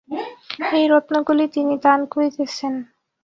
এই রত্নগুলিই তিনি দান করিতেছেন।